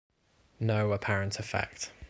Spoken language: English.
No apparent effect.